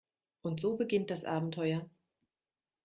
Und so beginnt das Abenteuer.